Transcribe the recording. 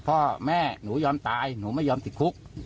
พ่อแม่หนูยอมตายหนูไม่ยอมติดคุก